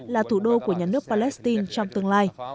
là thủ đô của nhà nước palestine trong tương lai